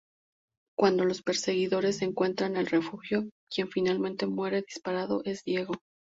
Cuando los perseguidores encuentran el refugio, quien finalmente muere disparado es Diego.